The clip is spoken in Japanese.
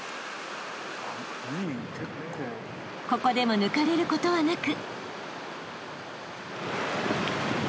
［ここでも抜かれることはなく］